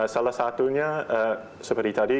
salah satunya seperti tadi